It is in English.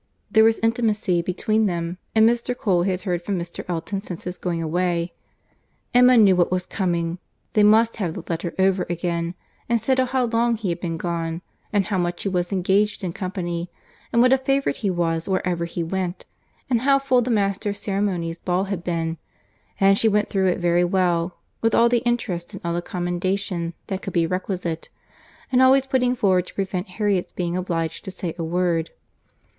There was intimacy between them, and Mr. Cole had heard from Mr. Elton since his going away. Emma knew what was coming; they must have the letter over again, and settle how long he had been gone, and how much he was engaged in company, and what a favourite he was wherever he went, and how full the Master of the Ceremonies' ball had been; and she went through it very well, with all the interest and all the commendation that could be requisite, and always putting forward to prevent Harriet's being obliged to say a word.